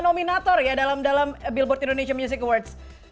lima nominator ya dalam dalam billboard indonesia music awards